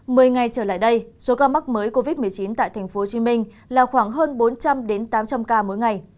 my ngày trở lại đây số ca mắc mới covid một mươi chín tại tp hcm là khoảng hơn bốn trăm linh tám trăm linh ca mỗi ngày